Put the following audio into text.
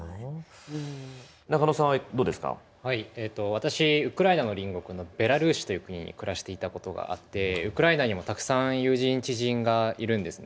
私ウクライナの隣国のベラルーシという国に暮らしていたことがあってウクライナにもたくさん友人知人がいるんですね。